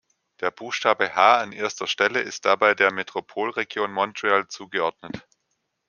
Der Buchstabe „H“ an erster Stelle ist dabei der Metropolregion Montreal zugeordnet.